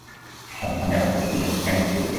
আমি আপনার কাছে কী ফ্যান বিক্রি করতেছি?